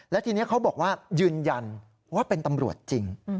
และทีนี้เขาบอกว่ายืนยันว่าเป็นตำรวจจริง